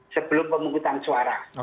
sebelum pemungutan suara